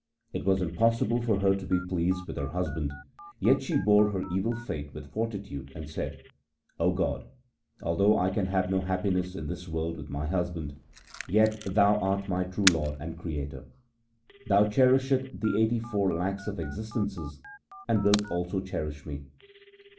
It was impossible for her to be pleased with her hus band, yet she bore her evil fate with fortitude, and said :' O God, although I can have no happiness in this world with my husband, yet Thou art my true Lord and Creator. Thou cherisheth the eighty four lakhs of existences, and wilt also cherish me.'